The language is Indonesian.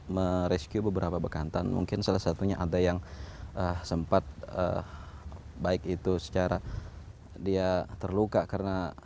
merescue beberapa bekantan mungkin salah satunya ada yang sempat baik itu secara dia terluka karena